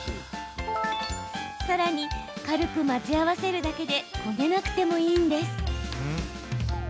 さらに、軽く混ぜ合わせるだけでこねなくてもいいんです。